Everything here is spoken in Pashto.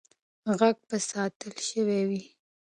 غږ به ساتل سوی وي.